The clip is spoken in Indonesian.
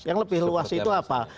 yang lebih luas itu apa